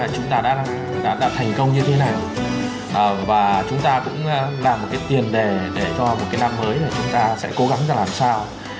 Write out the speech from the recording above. chúng ta đã thành công như thế này và chúng ta cũng làm một cái tiền đề để cho một cái năm mới chúng ta sẽ cố gắng ra làm sao